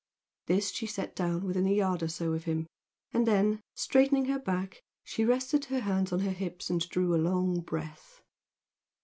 This she set down within a yard or so of him, and then, straightening her back, she rested her hands on her hips and drew a long breath.